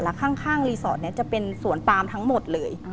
แล้วข้างรีสอร์ทนี้จะเป็นสวนปามทั้งหมดเลย